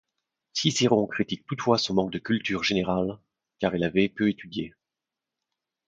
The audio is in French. Cicéron critique toutefois son manque de culture générale, car il avait peu étudié.